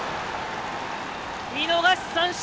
見逃し三振！